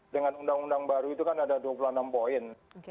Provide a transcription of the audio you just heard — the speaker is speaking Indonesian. dengan undang undang baru itu kan ada dua puluh enam poin